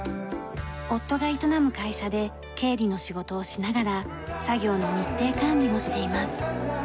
夫が営む会社で経理の仕事をしながら作業の日程管理もしています。